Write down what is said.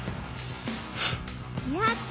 やった！